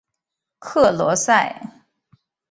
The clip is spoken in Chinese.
克罗塞。